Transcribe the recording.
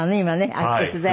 今ね。